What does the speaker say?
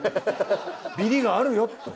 ビリッがあるよ。